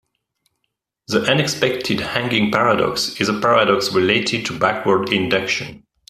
The unexpected hanging paradox is a paradox related to backward induction.